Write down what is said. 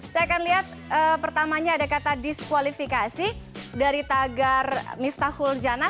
saya akan lihat pertamanya ada kata diskualifikasi dari tagar miftahul jana